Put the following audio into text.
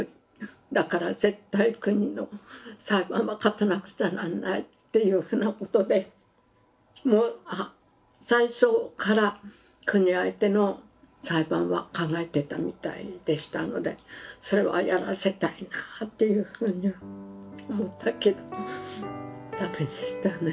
だから絶対国の裁判は勝たなくちゃなんないっていうふうなことでもう最初から国相手の裁判は考えてたみたいでしたのでそれはやらせたいなぁというふうに思ったけどもダメでしたね。